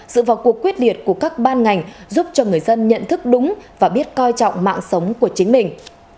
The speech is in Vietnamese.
sự vào cuộc quyết liệt của các ban ngành giúp cho người dân nhận thức đúng và biết coi trọng mạng sống của chính mình